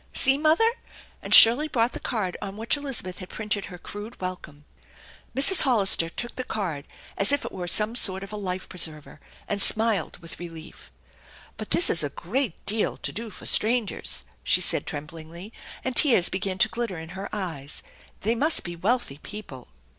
See, mother !" and Shirley brought the card on which Elizabeth had printed her crude welcome. Mrs. Hollister took thf card as if it were some sort of a fife preserver, and smiled with relief. THE ENCHANTED BARN IS* "But this is a great deal to do for strangers," she said tremblingly, and tears began to glitter in her eyes. " They must be wealthy people."